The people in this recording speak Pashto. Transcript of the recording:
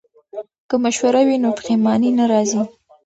که مشوره وي نو پښیماني نه راځي.